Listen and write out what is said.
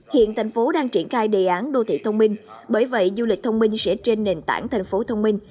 hiện thành phố đang triển khai đề án đô thị thông minh bởi vậy du lịch thông minh sẽ trên nền tảng thành phố thông minh